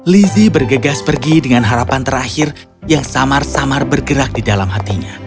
lizzie bergegas pergi dengan harapan terakhir yang samar samar bergerak di dalam hatinya